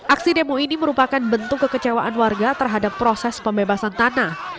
aksi demo ini merupakan bentuk kekecewaan warga terhadap proses pembebasan tanah